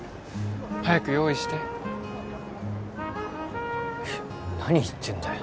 早く用意して何言ってんだよ